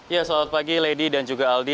ya selamat pagi lady dan juga aldi